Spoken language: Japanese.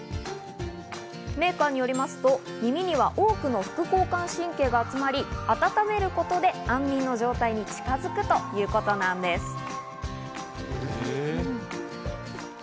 メーカーによりますと、耳には多くの副交感神経が集まり、温めることで安眠の状態に近づくということなんです。